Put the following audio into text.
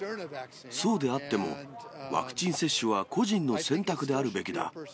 そうであっても、ワクチン接種は個人の選択であるべきだ。